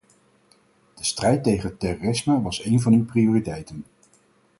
De strijd tegen het terrorisme was een van uw prioriteiten.